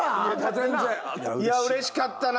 いや嬉しかったな。